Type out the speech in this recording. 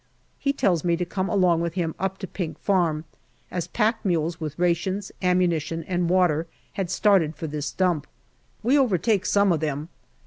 He tells me to come along with him up to Pink Farm, as pack mules with rations, ammunition, and water had started for this dump. We overtake some of them.